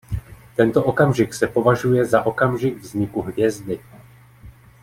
Tento okamžik se považuje za okamžik vzniku hvězdy.